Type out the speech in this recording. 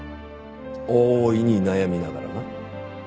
大いに悩みながらな。